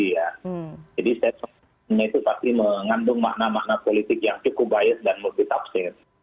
jadi saya pikir ini itu pasti mengandung makna makna politik yang cukup baik dan lebih tafsir